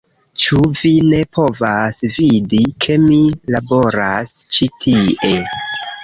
Ĉu vi ne povas vidi, ke mi laboras ĉi tie